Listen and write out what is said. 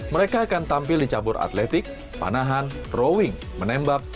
mereka akan tampil dicabur atletik panahan rowing menembak